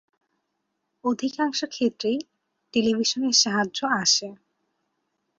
অধিকাংশ ক্ষেত্রেই টেলিভিশনের সাহায্যে আসে।